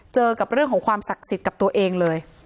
เจอกับเรื่องของความศักดิ์สิทธิ์กับตัวเองเลย